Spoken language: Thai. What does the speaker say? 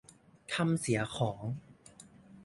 ทำเสียของ